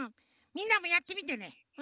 みんなもやってみてねうん。